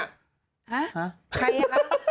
ฮะใครอ่ะ